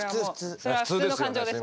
それは普通の感情です。